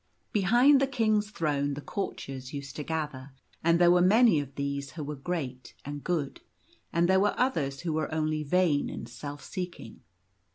Behind the King's throne the courtiers used to gather ; and there were many of these who were great and good, and there were others who were only vain and self seek ing.